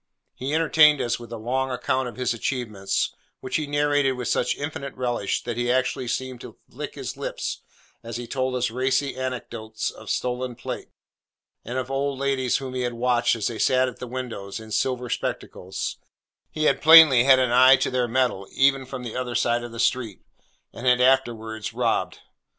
He entertained us with a long account of his achievements, which he narrated with such infinite relish, that he actually seemed to lick his lips as he told us racy anecdotes of stolen plate, and of old ladies whom he had watched as they sat at windows in silver spectacles (he had plainly had an eye to their metal even from the other side of the street) and had afterwards robbed.